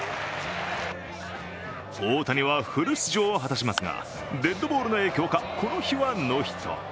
大谷はフル出場を果たしますが、デッドボールの影響か、この日はノーヒット。